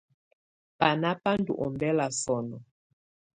Banà bà ndù ɔmbɛla sɔ̀nɔ.